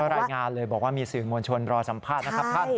รายงานเลยบอกว่ามีสื่อมวลชนรอสัมภาษณ์นะครับท่าน